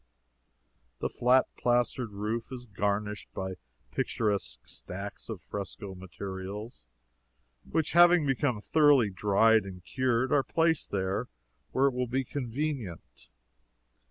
The flat, plastered roof is garnished by picturesque stacks of fresco materials, which, having become thoroughly dried and cured, are placed there where it will be convenient.